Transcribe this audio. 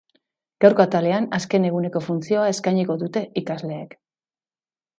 Gaurko atalean, azken eguneko funtzioa eskainiko dute ikasleek.